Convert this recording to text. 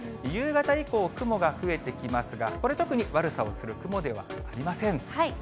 夕方以降、雲が増えてきますが、これ、特に悪さをする雲ではありません。